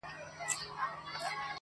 د هندو او کلیمې یې سره څه.